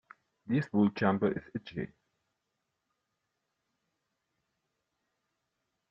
This wool jumper is itchy.